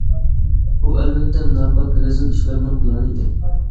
بۇ ئەلۋەتتە ناپاك، رەزىل ئىشلارنىڭ پىلانى ئىدى.